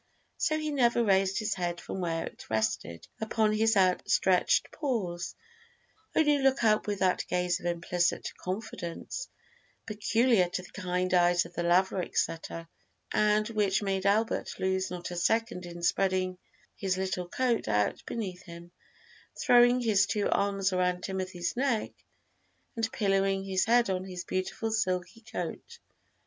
so he never raised his head from where it rested upon his outstretched paws, only looked up with that gaze of implicit confidence peculiar to the kind eyes of the Laverick setter, and which made Albert lose not a second in spreading his little coat out beneath him, throwing his two arms around Timothy's neck, and pillowing his head on his beautiful silky coat.